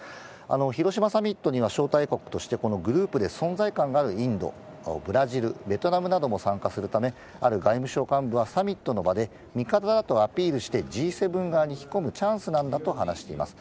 広島サミットには招待国として、このグループで存在感があるインド、ブラジル、ベトナムなども参加するため、ある外務省幹部は、サミットの場で、味方だとアピールしてＧ７側に引き込むチャンスなんだと話しています。